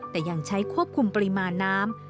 แต่ยังใช้ควบคุมปริมาณน้ำ